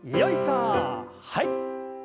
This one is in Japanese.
はい。